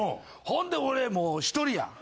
ほんで俺もう１人やん。